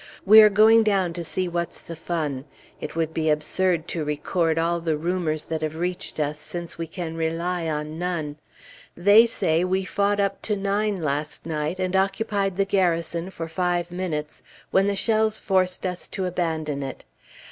We are going down to see what's the fun. It would be absurd to record all the rumors that have reached us, since we can rely on none. They say we fought up to nine last night, and occupied the Garrison for five minutes, when the shells forced us to abandon it.